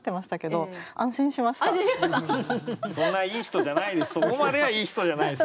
そんないい人じゃないです。